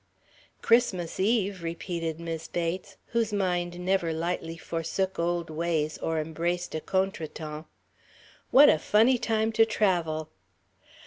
"Christmas Eve," repeated Mis' Bates, whose mind never lightly forsook old ways or embraced a contretemps; "what a funny time to travel."